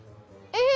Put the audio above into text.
うん。